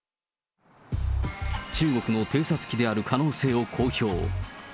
中国の偵察機である可能性を公表。